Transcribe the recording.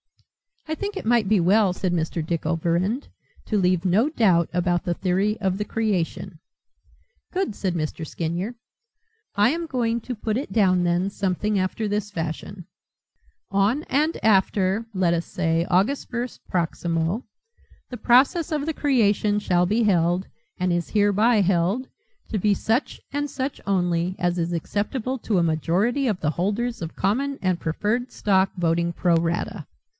"I think it might be well," said Mr. Dick Overend, "to leave no doubt about the theory of the creation." "Good," said Mr. Skinyer. "I am going to put it down then something after this fashion: 'On and after, let us say, August 1st proximo, the process of the creation shall be held, and is hereby held, to be such and such only as is acceptable to a majority of the holders of common and preferred stock voting pro rata.'